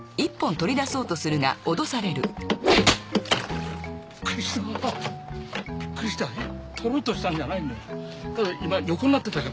取ろうとしたんじゃないのよ。